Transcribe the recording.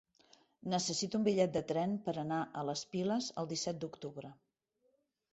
Necessito un bitllet de tren per anar a les Piles el disset d'octubre.